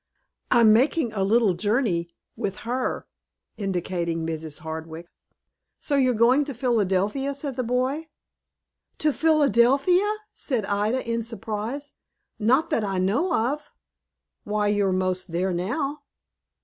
"I'm making a little journey with her," indicating Mrs. Hardwick. "So you're going to Philadelphia," said the boy. "To Philadelphia!" said Ida, in surprise. "Not that I know of." "Why, you're most there now."